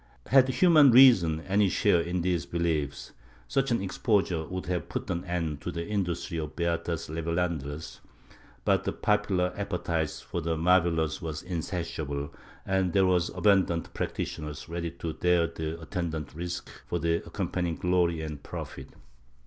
^ Had human reason any share in these beliefs, such an exposure would have put an end to the industry of the beatas revelandcras, but the popular appetite for the marvellous was insatiable, and there were abimdant practitioners ready to dare the attendant risks for the accompanying glory and profit.